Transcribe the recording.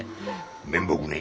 面目ねえ。